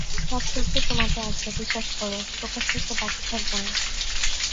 সব শক্তি তোমাতে আছে বিশ্বাস কর, প্রকাশ হতে বাকী থাকবে না।